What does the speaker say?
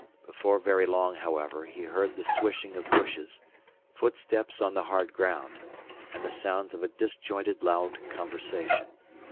Before very long, however, he heard the swishing of bushes, footsteps on the hard ground, and the sounds of a disjointed loud conversation.